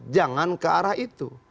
jangan ke arah itu